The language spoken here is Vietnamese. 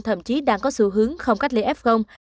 thậm chí đang có xu hướng không cách ly f